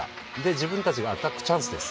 自分たちがアタックチャンスです。